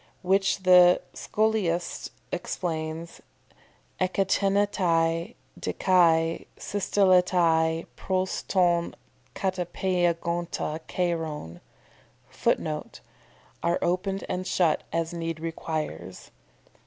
"] Which the Scholiast explains, ekteinetai de kai systelletai pros ton katepeigonta kairon. [Footnote: "Are opened and shut as need requires."